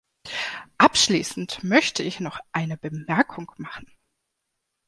Abschließend möchte ich noch eine Bemerkung machen.